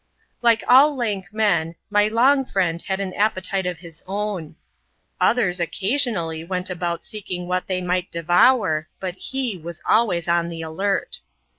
Like all lank men, my long friend had an appetite of his own. Others occasionally went about seeking what they might devour, but he was always on the alert.